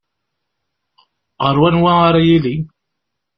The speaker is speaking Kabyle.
Ar wanwa ara yili?